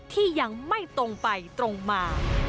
ที่ยังไม่ตรงไปตรงมา